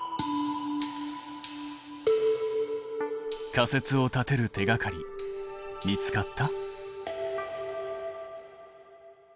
仮説を立てる手がかり見つかった？